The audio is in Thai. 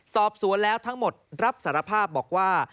สอบสวนแล้วทั้งหมดรับสารภาพบอกว่า